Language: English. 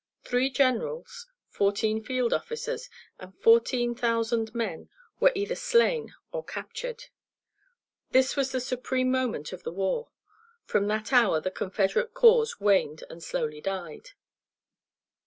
Three generals, fourteen field officers, and fourteen thousand men were either slain or captured. This was the supreme moment of the war; from that hour the Confederate cause waned and slowly died.